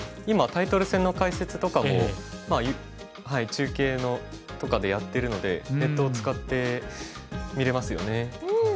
今タイトル戦の解説とかも中継とかでやってるのでネットを使って見れますよね。